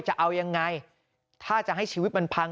จะเอายังไงถ้าจะให้ชีวิตมันพัง